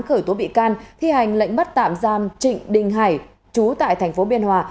khởi tố bị can thi hành lệnh bắt tạm giam trịnh đình hải chú tại tp biên hòa